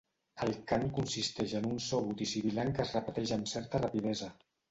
El cant consisteix en un so agut i sibilant que es repeteix amb certa rapidesa.